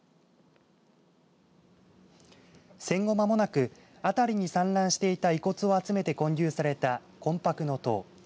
戦後間もなく辺りに散乱していた遺骨を集めて建立された魂魄の塔。